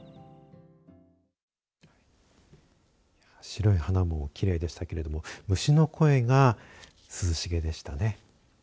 白い花もきれいでしたけれども虫の声が涼しげでしたね。